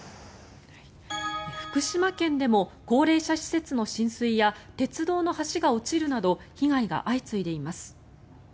福島県でも高齢者施設の浸水や鉄道の橋が落ちるなど被害が相次いでいます。